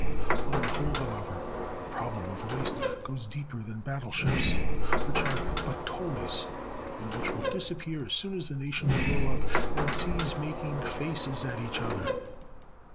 On the whole, however, the problem of waste goes deeper than battleships, which are but toys and which will disappear as soon as the nations grow up and cease making faces at each other.